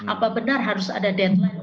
apa benar harus ada deadline